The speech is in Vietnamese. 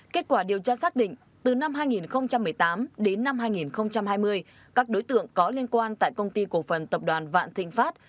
kết quả điều tra xác định từ năm hai nghìn một mươi tám đến năm hai nghìn hai mươi các đối tượng có liên quan tại công ty cổ phần tập đoàn vạn thịnh pháp